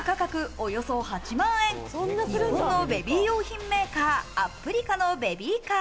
およそ８万円、日本のベビー用品メーカー、アップリカのベビーカー。